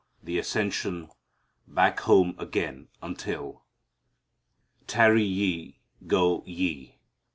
The Ascension: Back Home Again Until Tarry Ye Go Ye.